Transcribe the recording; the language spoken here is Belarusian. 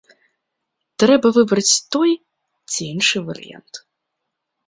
Трэба выбраць той ці іншы варыянт.